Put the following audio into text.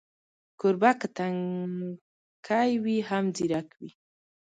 کوربه که تنکی وي، هم ځیرک وي.